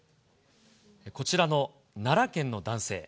こちらの奈良県の男性。